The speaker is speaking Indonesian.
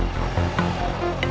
kalau bapak nggak pergi nggak ada